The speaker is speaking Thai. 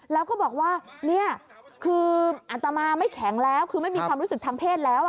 แล้วก็บอกว่าเนี่ยคืออัตมาไม่แข็งแล้วคือไม่มีความรู้สึกทางเพศแล้ว